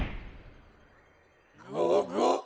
ゴゴ！